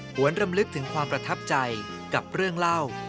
วนรำลึกถึงความประทับใจกับเรื่องเล่า